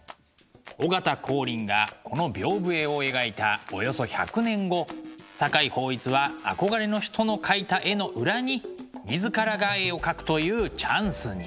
尾形光琳がこの屏風絵を描いたおよそ１００年後酒井抱一は憧れの人の描いた絵の裏に自らが絵を描くというチャンスに。